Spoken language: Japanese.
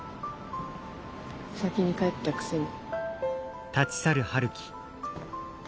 先に帰ったくせに。